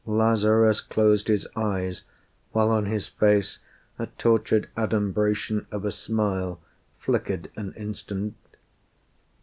Lazarus closed his eyes while on his face A tortured adumbration of a smile Flickered an instant.